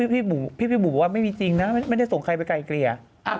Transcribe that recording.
พี่บุ๋มบอกว่าไม่มีจริงนะไม่ได้ส่งใครไปไกลเกลี่ย